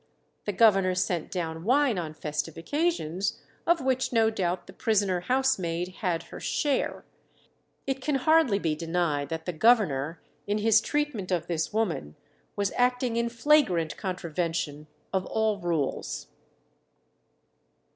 The governor sent down wine on festive occasions, of which no doubt the prisoner housemaid had her share. It can hardly be denied that the governor, in his treatment of this woman, was acting in flagrant contravention of all rules.